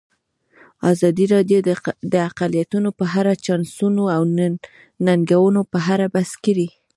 ازادي راډیو د اقلیتونه په اړه د چانسونو او ننګونو په اړه بحث کړی.